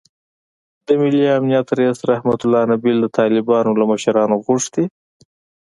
د ملي امنیت رییس رحمتالله نبیل د طالبانو له مشرانو غوښتي